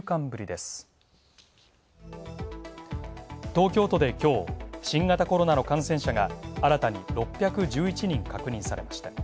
東京都で今日、新型コロナの感染者が新たに６１１人確認されました。